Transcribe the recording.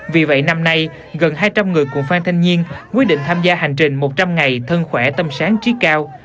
vì vậy năm nay gần hai trăm linh người cụ phan thanh nhiên quyết định tham gia hành trình một trăm linh ngày thân khỏe tâm sáng trí cao